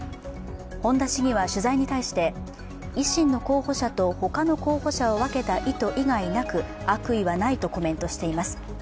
本田市議は取材に対して、維新の候補者と、他の候補者を分けた意図以外なく、悪意はないとコメントしています。